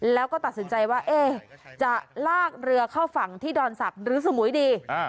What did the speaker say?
แล้วก็ตัดสินใจว่าจะลากเรือเข้าฝั่งที่ดอนศักดิ์หรือสมุยดี